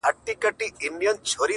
• درته دعاوي هر ماښام كومه ـ